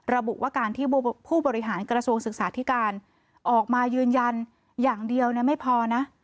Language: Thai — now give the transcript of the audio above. ระบุว่าการที่ผู้บริหารกระทรวงศึกษาธิการออกมายืนยันอย่างเดียวไม่พอนะ